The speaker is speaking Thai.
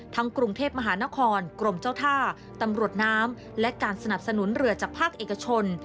กรุงเทพมหานครกรมเจ้าท่าตำรวจน้ำและการสนับสนุนเรือจากภาคเอกชน